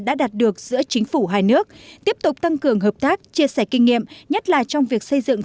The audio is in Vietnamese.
đã đạt được giữa chính phủ hai nước tiếp tục tăng cường hợp tác chia sẻ kinh nghiệm nhất là trong việc xây dựng